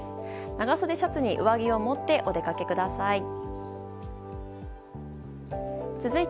長袖シャツに上着を持ってお出かけください。